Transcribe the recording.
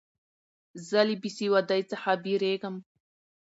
زه له بېسوادۍ څخه بېریږم.